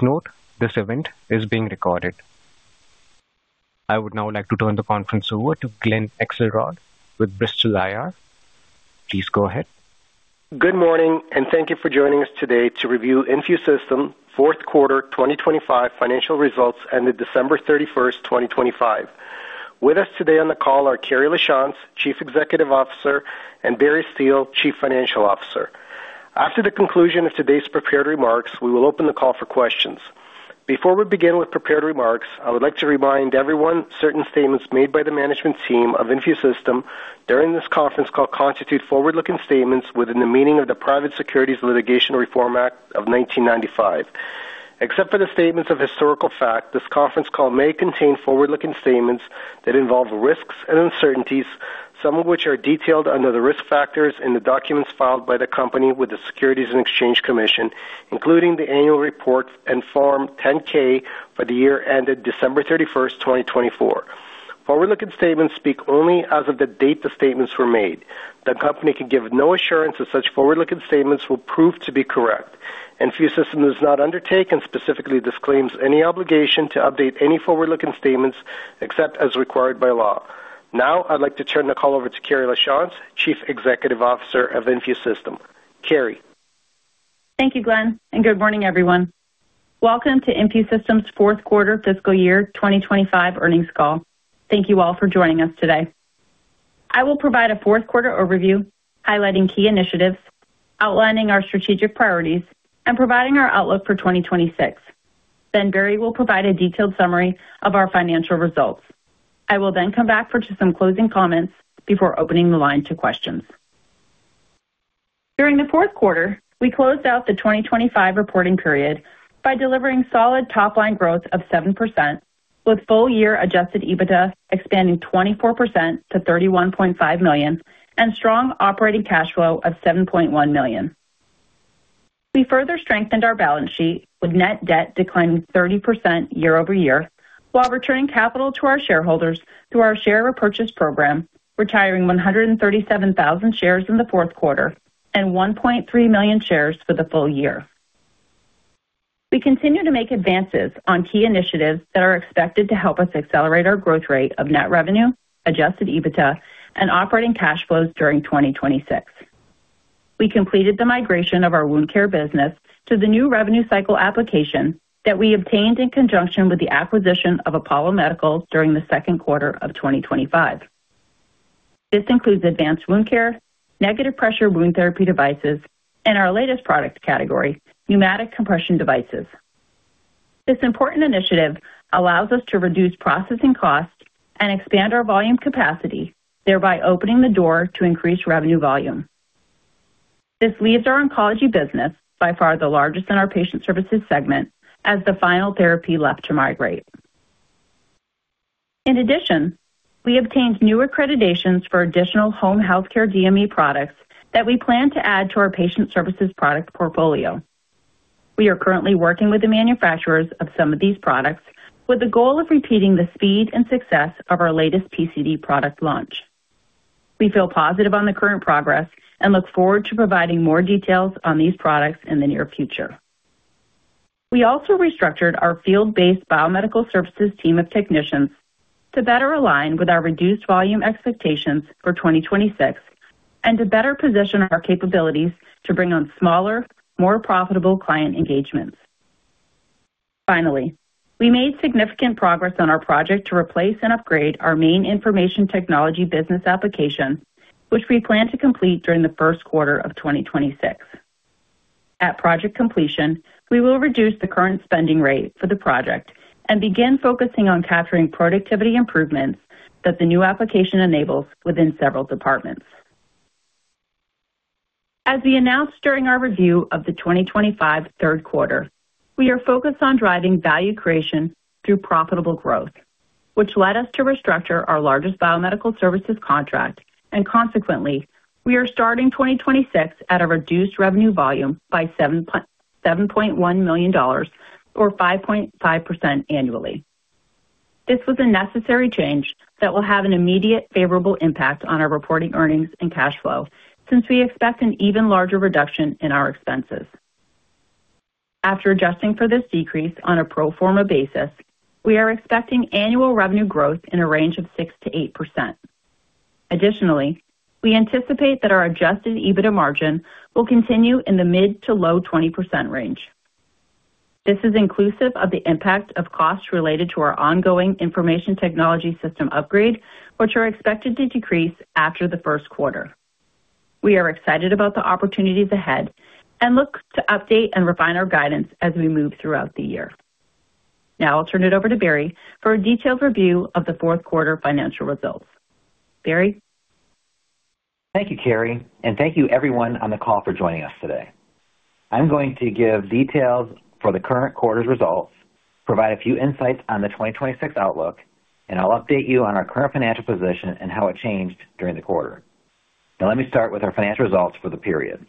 Please note, this event is being recorded. I would now like to turn the conference over to Glen Akselrod with Bristol Capital. Please go ahead. Good morning. Thank you for joining us today to review InfuSystem fourth quarter 2025 financial results ended December 31st, 2025. With us today on the call are Carrie Lachance, Chief Executive Officer, and Barry Steele, Chief Financial Officer. After the conclusion of today's prepared remarks, we will open the call for questions. Before we begin with prepared remarks, I would like to remind everyone, certain statements made by the management team of InfuSystem during this conference call constitute forward-looking statements within the meaning of the Private Securities Litigation Reform Act of 1995. Except for the statements of historical fact, this conference call may contain forward-looking statements that involve risks and uncertainties, some of which are detailed under the risk factors in the documents filed by the company with the Securities and Exchange Commission, including the annual report and Form 10-K for the year ended December 31, 2024. Forward-looking statements speak only as of the date the statements were made. The company can give no assurance that such forward-looking statements will prove to be correct. InfuSystem does not undertake and specifically disclaims any obligation to update any forward-looking statements except as required by law. Now, I'd like to turn the call over to Carrie Lachance, Chief Executive Officer of InfuSystem. Carrie? Thank you, Glen, and good morning, everyone. Welcome to InfuSystem's fourth quarter fiscal year 2025 earnings call. Thank you all for joining us today. I will provide a fourth quarter overview, highlighting key initiatives, outlining our strategic priorities, and providing our outlook for 2026. Barry will provide a detailed summary of our financial results. I will come back for just some closing comments before opening the line to questions. During the fourth quarter, we closed out the 2025 reporting period by delivering solid top-line growth of 7%, with full year Adjusted EBITDA expanding 24% to $31.5 million and strong operating cash flow of $7.1 million. We further strengthened our balance sheet with net debt declining 30% year-over-year, while returning capital to our shareholders through our share repurchase program, retiring 137,000 shares in the fourth quarter and 1.3 million shares for the full year. We continue to make advances on key initiatives that are expected to help us accelerate our growth rate of net revenue, adjusted EBITDA, and operating cash flows during 2026. We completed the migration of our Wound Care business to the new revenue cycle application that we obtained in conjunction with the acquisition of Apollo Medical during the second quarter of 2025. This includes advanced Wound Care, negative pressure wound therapy devices, and our latest product category, pneumatic compression devices. This important initiative allows us to reduce processing costs and expand our volume capacity, thereby opening the door to increased revenue volume. This leaves our oncology business, by far the largest in our Patient Services segment, as the final therapy left to migrate. We obtained new accreditations for additional home healthcare DME products that we plan to add to our Patient Services product portfolio. We are currently working with the manufacturers of some of these products with the goal of repeating the speed and success of our latest PCD product launch. We feel positive on the current progress and look forward to providing more details on these products in the near future. We also restructured our field-based Biomedical Services team of technicians to better align with our reduced volume expectations for 2026 and to better position our capabilities to bring on smaller, more profitable client engagements. We made significant progress on our project to replace and upgrade our main information technology business application, which we plan to complete during the first quarter of 2026. At project completion, we will reduce the current spending rate for the project and begin focusing on capturing productivity improvements that the new application enables within several departments. As we announced during our review of the 2025 third quarter, we are focused on driving value creation through profitable growth, which led us to restructure our largest Biomedical Services contract, consequently, we are starting 2026 at a reduced revenue volume by $7.1 million or 5.5% annually. This was a necessary change that will have an immediate favorable impact on our reporting, earnings and cash flow, since we expect an even larger reduction in our expenses. After adjusting for this decrease on a pro forma basis, we are expecting annual revenue growth in a range of 6%-8%. Additionally, we anticipate that our adjusted EBITDA margin will continue in the mid to low 20% range. This is inclusive of the impact of costs related to our ongoing information technology system upgrade, which are expected to decrease after the first quarter. We are excited about the opportunities ahead and look to update and refine our guidance as we move throughout the year. Now I'll turn it over to Barry for a detailed review of the fourth quarter financial results. Barry? Thank you, Carrie, thank you everyone on the call for joining us today. I'm going to give details for the current quarter's results, provide a few insights on the 2026 outlook, and I'll update you on our current financial position and how it changed during the quarter. Let me start with our financial results for the period.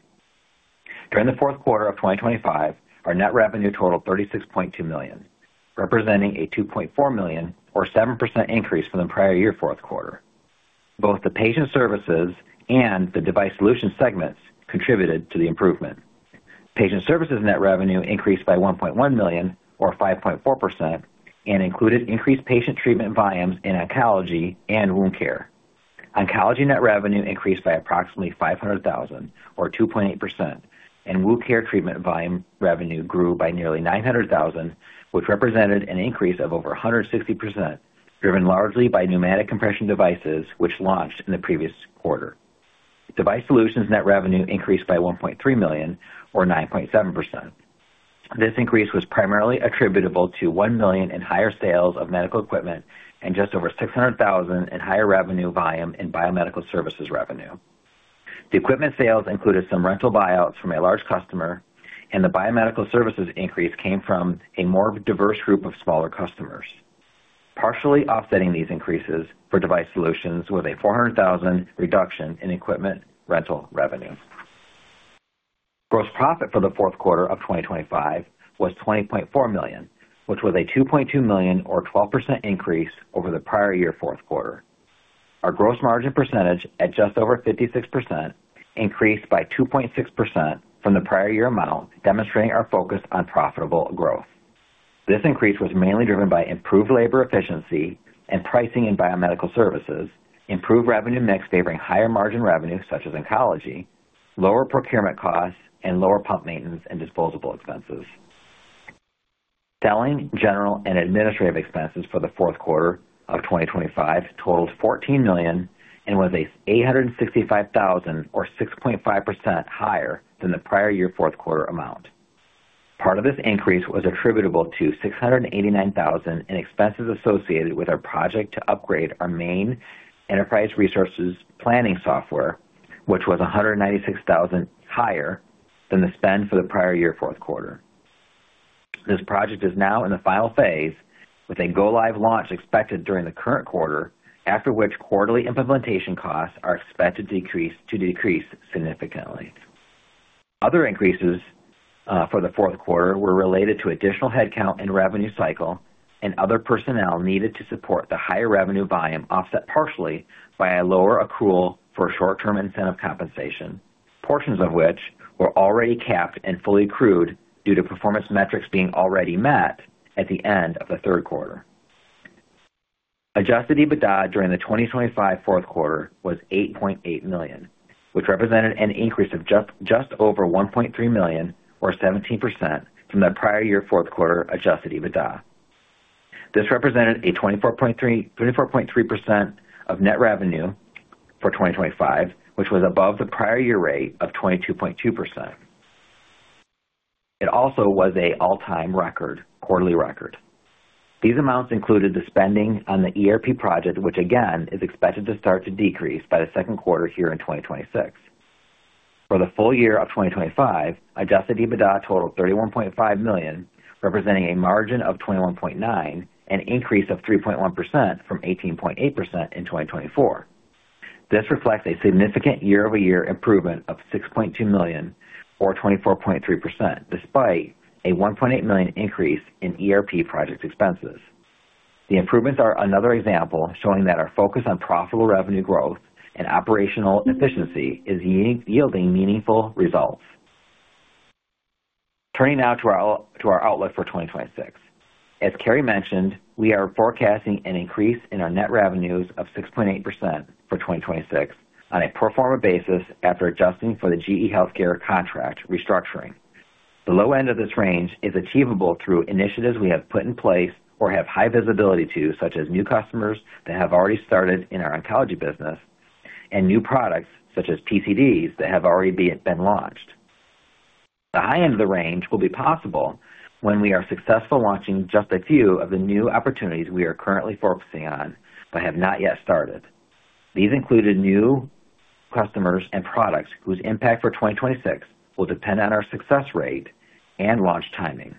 During the fourth quarter of 2025, our net revenue totaled $36.2 million, representing a $2.4 million or 7% increase from the prior year fourth quarter. Both the Patient Services and the Device Solutions segments contributed to the improvement. Patient Services net revenue increased by $1.1 million, or 5.4%, and included increased patient treatment volumes in Oncology and Wound Care. Oncology net revenue increased by approximately $500,000, or 2.8%. Wound care treatment volume revenue grew by nearly $900,000, which represented an increase of over 160%, driven largely by pneumatic compression devices, which launched in the previous quarter. Device Solutions net revenue increased by $1.3 million, or 9.7%. This increase was primarily attributable to $1 million in higher sales of medical equipment and just over $600,000 in higher revenue volume in Biomedical Services revenue. The equipment sales included some rental buyouts from a large customer, and the Biomedical Services increase came from a more diverse group of smaller customers. Partially offsetting these increases for Device Solutions was a $400,000 reduction in equipment rental revenue. Gross profit for the fourth quarter of 2025 was $20.4 million, which was a $2.2 million or 12% increase over the prior year fourth quarter. Our gross margin percentage, at just over 56%, increased by 2.6% from the prior year amount, demonstrating our focus on profitable growth. This increase was mainly driven by improved labor efficiency and pricing in Biomedical Services, improved revenue mix favoring higher margin revenue, such as Oncology, lower procurement costs, and lower pump maintenance and disposable expenses. Selling, general, and administrative expenses for the fourth quarter of 2025 totaled $14 million and was $865,000 or 6.5% higher than the prior year fourth quarter amount. Part of this increase was attributable to $689,000 in expenses associated with our project to upgrade our main Enterprise Resource Planning software, which was $196,000 higher than the spend for the prior year fourth quarter. This project is now in the final phase, with a go-live launch expected during the current quarter, after which quarterly implementation costs are expected to decrease significantly. Other increases for the fourth quarter were related to additional headcount and Revenue Cycle and other personnel needed to support the higher revenue volume, offset partially by a lower accrual for short-term incentive compensation, portions of which were already capped and fully accrued due to performance metrics being already met at the end of the third quarter. Adjusted EBITDA during the 2025 fourth quarter was $8.8 million, which represented an increase of just over $1.3 million, or 17%, from the prior year fourth quarter adjusted EBITDA. This represented a 24.3% of net revenue for 2025, which was above the prior year rate of 22.2%. It also was a all-time record, quarterly record. These amounts included the spending on the ERP project, which again, is expected to start to decrease by the second quarter here in 2026. For the full year of 2025, adjusted EBITDA totaled $31.5 million, representing a margin of 21.9%, an increase of 3.1% from 18.8% in 2024. This reflects a significant year-over-year improvement of $6.2 million, or 24.3%, despite a $1.8 million increase in ERP project expenses. The improvements are another example showing that our focus on profitable revenue growth and operational efficiency is unique- yielding meaningful results. Turning now to our outlook for 2026. As Carrie mentioned, we are forecasting an increase in our net revenues of 6.8% for 2026 on a pro forma basis after adjusting for the GE HealthCare contract restructuring. The low end of this range is achievable through initiatives we have put in place or have high visibility to, such as new customers that have already started in our Oncology business and new products such as PCDs, that have already been launched. The high end of the range will be possible when we are successful launching just a few of the new opportunities we are currently focusing on, but have not yet started. These include new customers and products whose impact for 2026 will depend on our success rate and launch timing.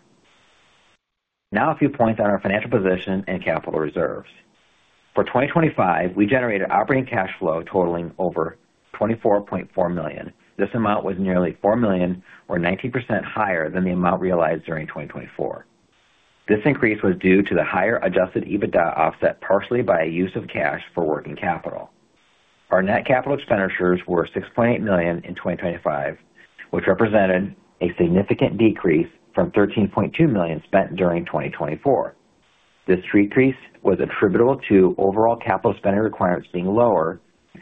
A few points on our financial position and capital reserves. For 2025, we generated operating cash flow totaling over $24.4 million. This amount was nearly $4 million, or 19% higher than the amount realized during 2024. This increase was due to the higher adjusted EBITDA, offset partially by a use of cash for working capital. Our net capital expenditures were $6.8 million in 2025, which represented a significant decrease from $13.2 million spent during 2024. This decrease was attributable to overall capital spending requirements being lower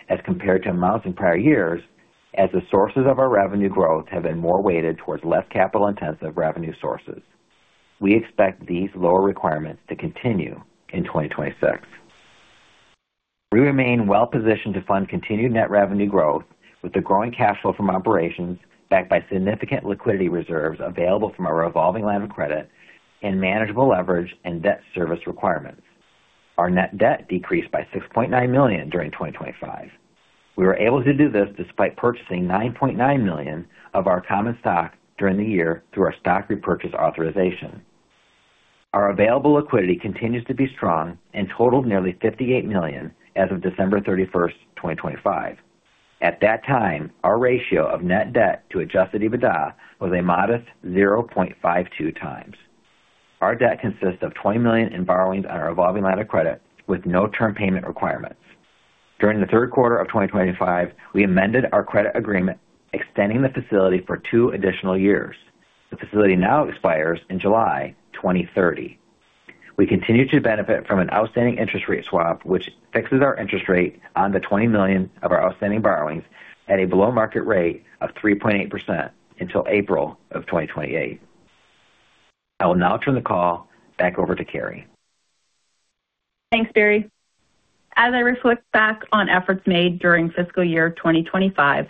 as compared to amounts in prior years, as the sources of our revenue growth have been more weighted towards less capital-intensive revenue sources. We expect these lower requirements to continue in 2026. We remain well positioned to fund continued net revenue growth with the growing cash flow from operations, backed by significant liquidity reserves available from our revolving line of credit and manageable leverage and debt service requirements. Our net debt decreased by $6.9 million during 2025. We were able to do this despite purchasing $9.9 million of our common stock during the year through our stock repurchase authorization. Our available liquidity continues to be strong and totaled nearly $58 million as of December 31st, 2025. At that time, our ratio of net debt to adjusted EBITDA was a modest 0.52x. Our debt consists of $20 million in borrowings on our revolving line of credit with no term payment requirements. During the third quarter of 2025, we amended our credit agreement, extending the facility for two additional years. The facility now expires in July 2030. We continue to benefit from an outstanding interest rate swap, which fixes our interest rate on the $20 million of our outstanding borrowings at a below-market rate of 3.8% until April of 2028. I will now turn the call back over to Carrie. Thanks, Barry. As I reflect back on efforts made during fiscal year 2025,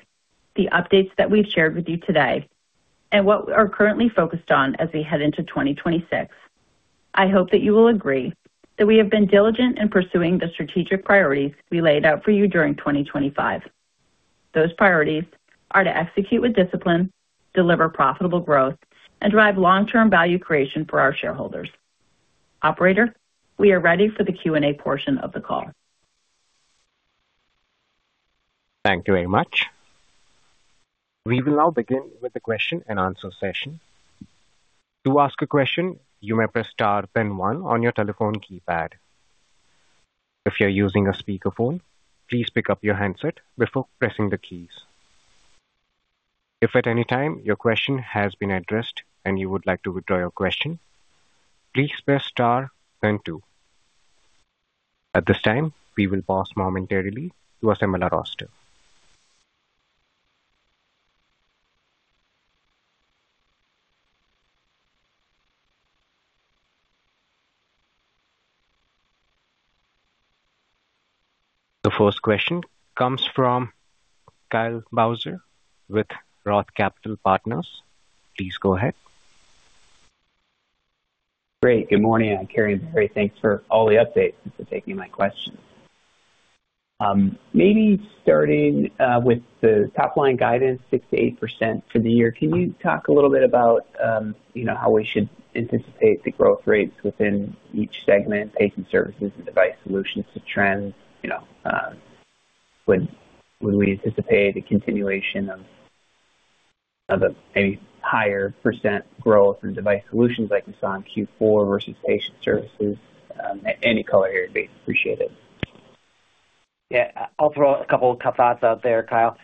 the updates that we've shared with you today and what we are currently focused on as we head into 2026, I hope that you will agree that we have been diligent in pursuing the strategic priorities we laid out for you during 2025. Those priorities are to execute with discipline, deliver profitable growth, and drive long-term value creation for our shareholders. Operator, we are ready for the Q&A portion of the call. Thank you very much. We will now begin with the question-and-answer session. To ask a question, you may press star then one on your telephone keypad. If you're using a speakerphone, please pick up your handset before pressing the keys. If at any time your question has been addressed and you would like to withdraw your question, please press star then two. At this time, we will pause momentarily to assemble our roster. The first question comes from Kyle Bauser with Roth Capital Partners. Please go ahead. Great. Good morning, Carrie and Barry. Thanks for all the updates and for taking my questions. Maybe starting with the top-line guidance, 6%-8% for the year, can you talk a little bit about, you know, how we should anticipate the growth rates within each segment, Patient Services and Device Solutions to trends? You know, would we anticipate a continuation of a higher percent growth in Device Solutions like we saw in Q4 versus Patient Services? Any color here would be appreciated. Yeah, I'll throw a couple of tough thoughts out there, Kyle.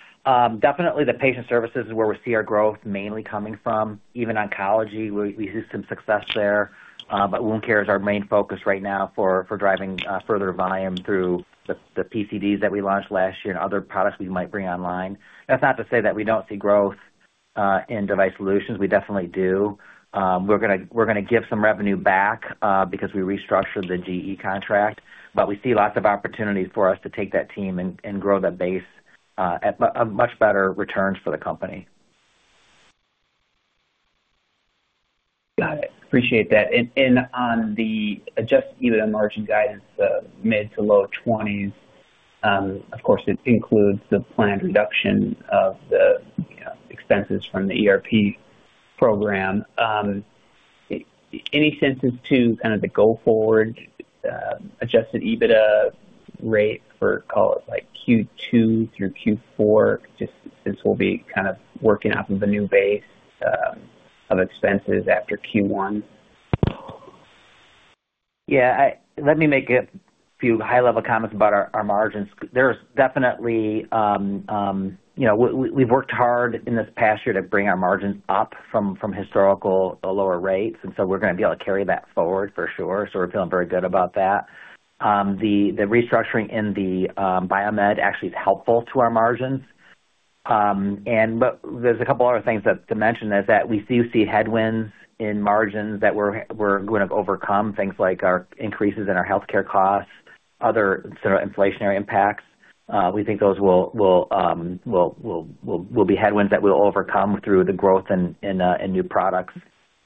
Definitely the Patient Services is where we see our growth mainly coming from. Even Oncology, we see some success there, but Wound Care is our main focus right now for driving further volume through the PCDs that we launched last year and other products we might bring online. That's not to say that we don't see growth in Device Solutions. We definitely do. We're gonna give some revenue back because we restructured the GE contract, but we see lots of opportunities for us to take that team and grow the base at a much better returns for the company. Got it. Appreciate that. On the adjusted EBITDA margin guidance, the mid-to-low 20s, of course, it includes the planned reduction of the expenses from the ERP program. Any senses to kind of the go-forward adjusted EBITDA rate for, call it, like, Q2 through Q4? Just this will be kind of working off of the new base of expenses after Q1. Let me make a few high-level comments about our margins. There's definitely, you know, we've worked hard in this past year to bring our margins up from historical, the lower rates. We're going to be able to carry that forward for sure. We're feeling very good about that. The restructuring in the Biomed actually is helpful to our margins. There's a couple other things to mention is that we do see headwinds in margins that we're going to overcome, things like our increases in our healthcare costs, other sort of inflationary impacts. We think those will be headwinds that we'll overcome through the growth in new products.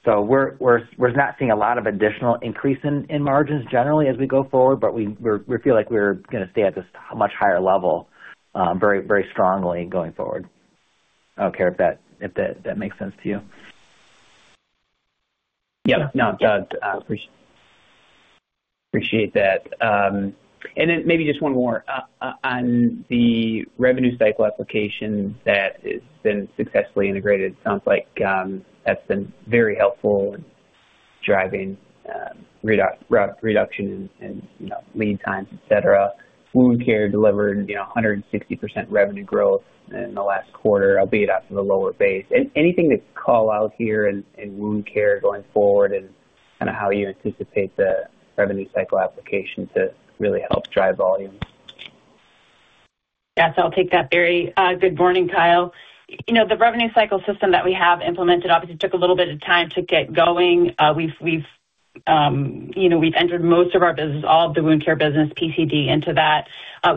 We're not seeing a lot of additional increase in margins generally as we go forward, but we feel like we're going to stay at this much higher level, very, very strongly going forward. I don't care if that makes sense to you. Yeah. No, appreciate that. Maybe just one more. On the revenue cycle application that has been successfully integrated, sounds like that's been very helpful in driving reduction in, you know, lead times, et cetera. Wound Care delivered, you know, 160% revenue growth in the last quarter, albeit off of a lower base. Anything to call out here in Wound Care going forward and kind of how you anticipate the revenue cycle application to really help drive volume? Yes, I'll take that, Barry. Good morning, Kyle. You know, the revenue cycle system that we have implemented obviously took a little bit of time to get going. We've, you know, we've entered most of our business, all of the Wound Care business, PCD, into that.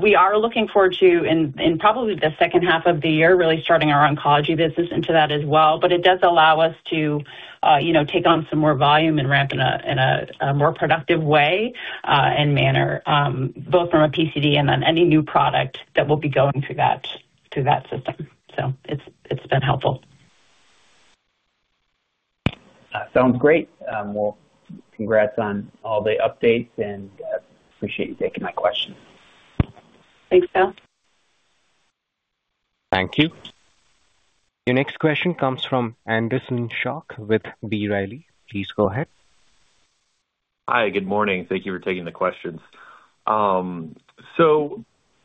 We are looking forward to, in probably the second half of the year, really starting our Oncology business into that as well. It does allow us to, you know, take on some more volume and ramp in a more productive way and manner, both from a PCD and then any new product that will be going through that system. It's been helpful. Sounds great. Well, congrats on all the updates, and appreciate you taking my question. Thanks, Kyle. Thank you. Your next question comes from Anderson Schock with B. Riley. Please go ahead. Hi, good morning. Thank you for taking the questions.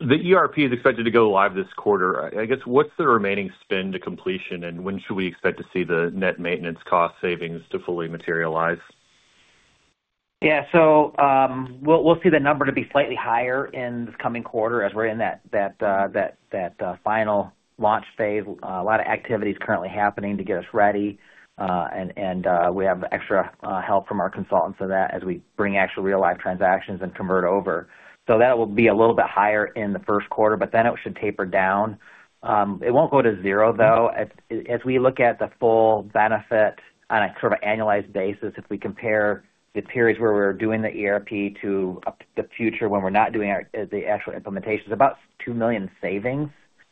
The ERP is expected to go live this quarter. I guess, what's the remaining spend to completion, and when should we expect to see the net maintenance cost savings to fully materialize? Yeah. we'll see the number to be slightly higher in this coming quarter as we're in that final launch phase. A lot of activity is currently happening to get us ready, and we have extra help from our consultants for that as we bring actual real-life transactions and convert over. That will be a little bit higher in the first quarter, but then it should taper down. It won't go to zero, though. As we look at the full benefit on a sort of annualized basis, if we compare the periods where we're doing the ERP to the future when we're not doing the actual implementation, it's about $2 million savings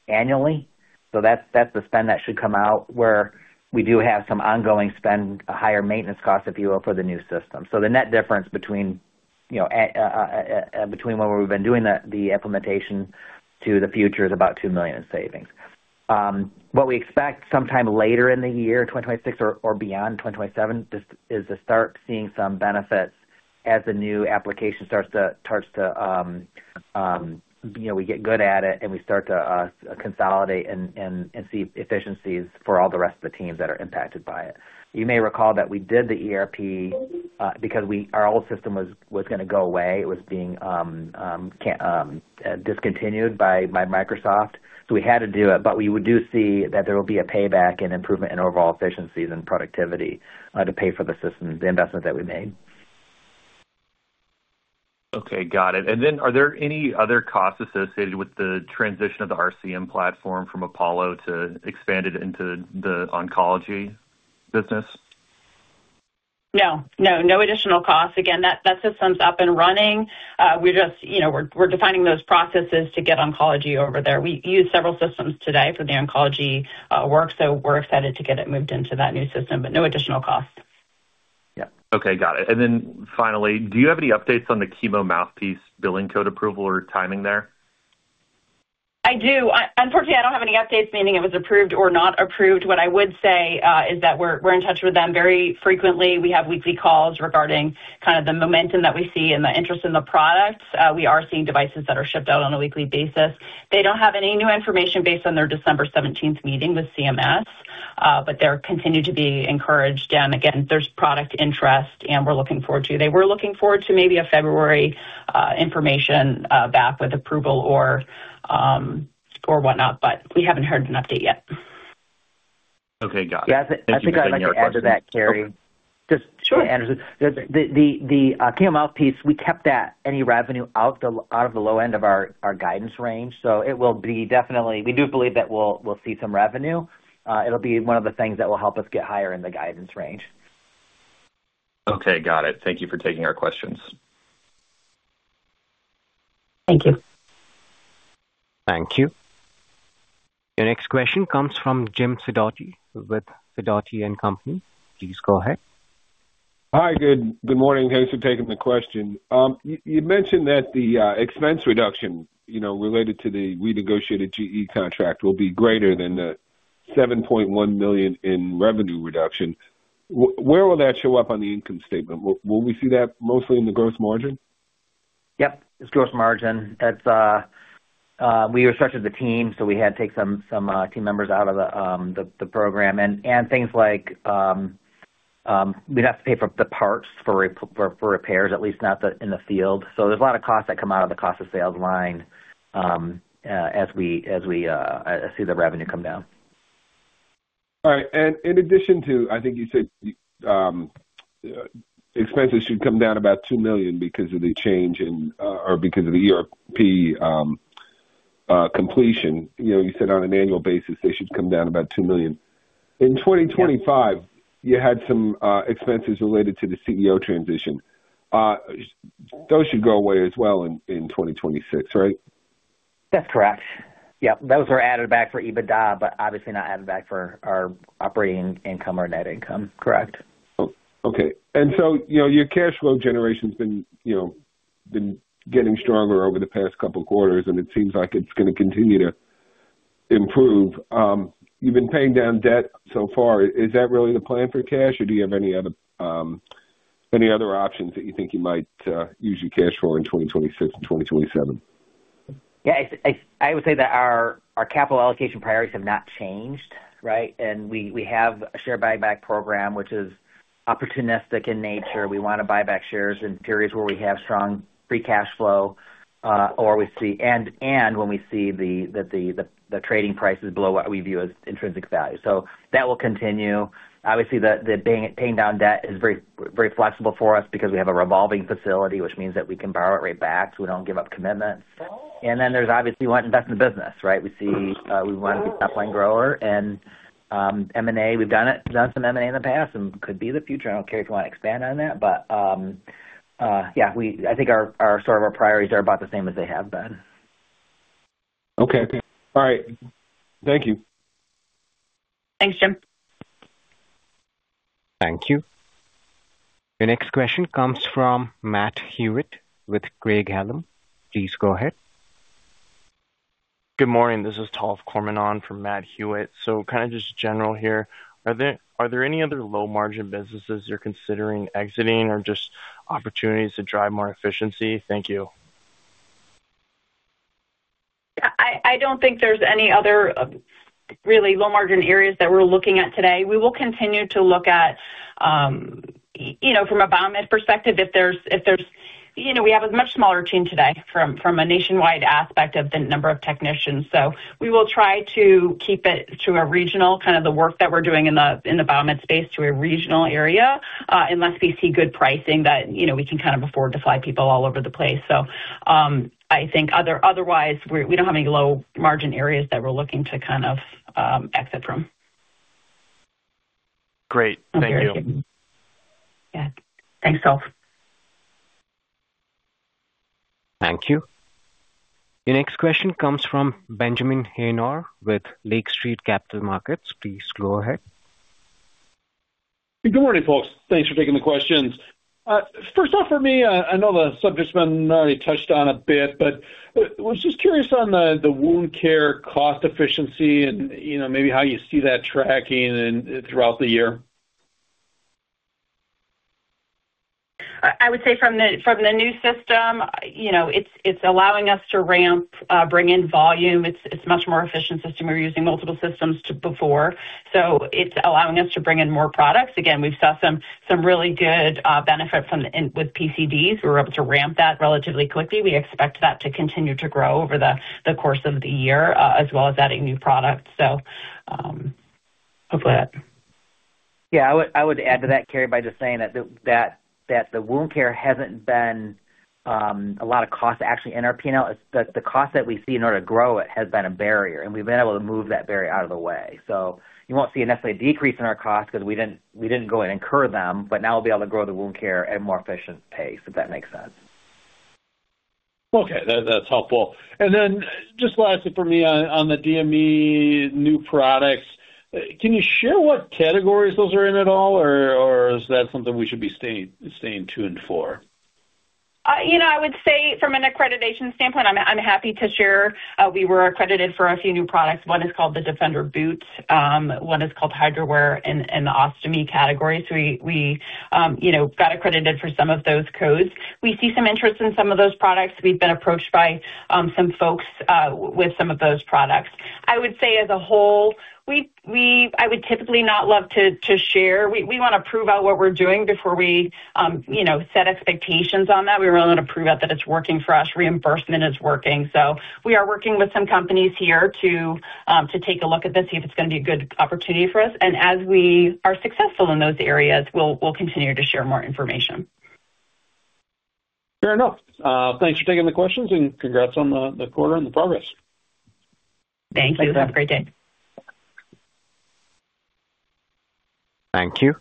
annually. That's the spend that should come out, where we do have some ongoing spend, a higher maintenance cost, if you will, for the new system. The net difference between, you know, between when we've been doing the implementation to the future is about $2 million in savings. What we expect sometime later in the year, 2026 or beyond, 2027, just, is to start seeing some benefits as the new application starts to, you know, we get good at it, and we start to consolidate and see efficiencies for all the rest of the teams that are impacted by it. You may recall that we did the ERP because our old system was gonna go away. It was being discontinued by Microsoft, so we had to do it. We would do see that there will be a payback and improvement in overall efficiencies and productivity to pay for the system, the investment that we made. Okay, got it. Are there any other costs associated with the transition of the RCM platform from Apollo to expand it into the Oncology business? No. No, no additional costs. Again, that system's up and running. We just, you know, we're defining those processes to get oncology over there. We use several systems today for the oncology work, so we're excited to get it moved into that new system, but no additional costs. Yeah. Okay, got it. Then finally, do you have any updates on the Chemo Mouthpiece billing code approval or timing there? I do. Unfortunately, I don't have any updates, meaning it was approved or not approved. What I would say is that we're in touch with them very frequently. We have weekly calls regarding kind of the momentum that we see and the interest in the products. We are seeing devices that are shipped out on a weekly basis. They don't have any new information based on their December 17th meeting with CMS, but they're continued to be encouraged. Again, there's product interest, and we're looking forward to. They were looking forward to maybe a February information back with approval or whatnot, but we haven't heard an update yet. Okay, got it. Yeah. Thank you for taking our question. I think I'd like to add to that, Carrie. Okay. Sure. Just Anderson. The Chemo Mouthpiece, we kept that any revenue out of the low end of our guidance range, so it will be definitely. We do believe that we'll see some revenue. It'll be one of the things that will help us get higher in the guidance range. Okay, got it. Thank you for taking our questions. Thank you. Thank you. Your next question comes from James Sidoti with Sidoti & Company. Please go ahead. Hi, good morning. Thanks for taking the question. You mentioned that the expense reduction, you know, related to the renegotiated GE contract will be greater than the $7.1 million in revenue reduction. Where will that show up on the income statement? Will we see that mostly in the gross margin? Yep, it's gross margin. It's, we restructured the team, so we had to take some team members out of the program. Things like, we'd have to pay for the parts for repairs, at least not the, in the field. There's a lot of costs that come out of the cost of sales line, as we see the revenue come down. All right. In addition to, I think you said, expenses should come down about $2 million because of the change in, or because of the ERP completion. You know, you said on an annual basis, they should come down about $2 million. Yeah. In 2025, you had some expenses related to the CEO transition. Those should go away as well in 2026, right? That's correct. Yep, those are added back for EBITDA, but obviously not added back for our operating income or net income. Correct. Oh, okay. You know, your cash flow generation's been, you know, been getting stronger over the past couple of quarters, and it seems like it's gonna continue to improve. You've been paying down debt so far. Is that really the plan for cash, or do you have any other, any other options that you think you might use your cash for in 2026 and 2027? Yeah, it's, I would say that our capital allocation priorities have not changed, right? We have a share buyback program, which is opportunistic in nature. We want to buy back shares in periods where we have strong free cash flow, or when we see the trading price is below what we view as intrinsic value. That will continue. Obviously, the paying down debt is very flexible for us because we have a revolving facility, which means that we can borrow it right back, so we don't give up commitment. There's obviously we want to invest in the business, right? We see, we want to be a top-line grower. M&A, we've done some M&A in the past and could be the future. I don't know, Carrie Lachance, if you want to expand on that, but yeah, I think our sort of our priorities are about the same as they have been. Okay. All right. Thank you. Thanks, James. Thank you. Your next question comes from Matt Hewitt with Craig-Hallum. Please go ahead. Good morning. This is Tollef Kohrman on for Matthew Hewitt. kind of just general here, are there any other low-margin businesses you're considering exiting or just opportunities to drive more efficiency? Thank you. I don't think there's any other, really low-margin areas that we're looking at today. We will continue to look at, you know, from a BioMed perspective. You know, we have a much smaller team today from a nationwide aspect of the number of technicians. We will try to keep it to a regional, kind of the work that we're doing in the BioMed space, to a regional area, unless we see good pricing that, you know, we can kind of afford to fly people all over the place. I think otherwise, we don't have any low-margin areas that we're looking to kind of exit from. Great. Thank you. Yeah. Thanks, Tollef. Thank you. Your next question comes from Benjamin Haynor with Lake Street Capital Markets. Please go ahead. Good morning, folks. Thanks for taking the questions. First off, for me, I know the subject's been already touched on a bit, but was just curious on the Wound Care cost efficiency and, you know, maybe how you see that tracking throughout the year. I would say from the new system, you know, it's allowing us to ramp, bring in volume. It's much more efficient system. We're using multiple systems to before, so it's allowing us to bring in more products. Again, we've saw some really good benefit with PCDs. We were able to ramp that relatively quickly. We expect that to continue to grow over the course of the year, as well as adding new products. Hopefully that. Yeah, I would add to that, Carrie, by just saying that the Wound Care hasn't been a lot of cost actually in our P&L. The cost that we see in order to grow it has been a barrier, and we've been able to move that barrier out of the way. You won't see a necessarily decrease in our costs because we didn't go and incur them, but now we'll be able to grow the Wound Care at a more efficient pace, if that makes sense. That's helpful. Just lastly for me on the DME new products, can you share what categories those are in at all, or is that something we should be staying tuned for? You know, I would say from an accreditation standpoint, I'm happy to share. We were accredited for a few new products. One is called the Foot Defender, one is called HidraWear in the Ostomy category. We, you know, got accredited for some of those codes. We see some interest in some of those products. We've been approached by some folks with some of those products. I would say as a whole, we. I would typically not love to share. We want to prove out what we're doing before we, you know, set expectations on that. We really want to prove out that it's working for us, reimbursement is working. We are working with some companies here to take a look at this, see if it's going to be a good opportunity for us. As we are successful in those areas, we'll continue to share more information. Fair enough. Thanks for taking the questions, and congrats on the quarter and the progress. Thank you. Have a great day. Thank you.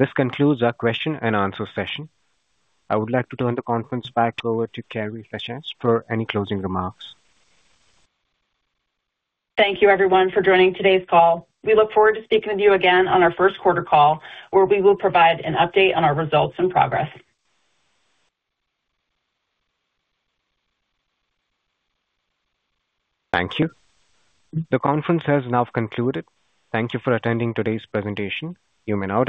This concludes our question-and-answer session. I would like to turn the conference back over to Carrie Lachance for any closing remarks. Thank you, everyone, for joining today's call. We look forward to speaking with you again on our first quarter call, where we will provide an update on our results and progress. Thank you. The conference has now concluded. Thank you for attending today's presentation. You may now disconnect.